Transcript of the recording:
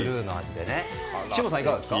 岸本さん、いかがですか？